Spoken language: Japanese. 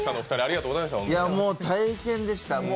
もう大変でした。